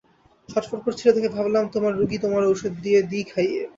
ছটফট করছিল দেখে ভাবলাম, তোমার রুগী তোমার ওষুধ, দিই খাইয়ে!